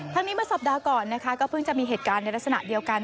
ทั้งนี้เมื่อสัปดาห์ก่อนนะคะก็เพิ่งจะมีเหตุการณ์ในลักษณะเดียวกัน